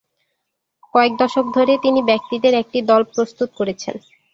কয়েক দশক ধরে তিনি ব্যক্তিদের একটি দল প্রস্তুত করেছেন।